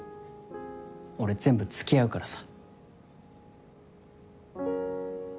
俺全部付き合うからさ。